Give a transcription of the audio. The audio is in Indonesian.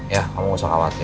ya kamu gak usah khawatir